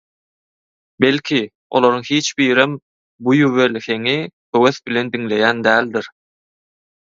Belki, olaryň hiç birem bu ýüwel heňi höwes bilen diňleýän däldir